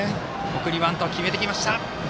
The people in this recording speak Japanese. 送りバント決めてきました。